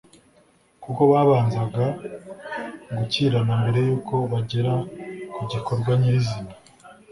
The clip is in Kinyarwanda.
kuko babanzaga gukirana mbere y’uko bagera ku gikorwa nyirizina